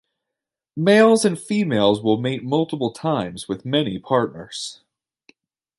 Males and females will mate multiple times with many partners.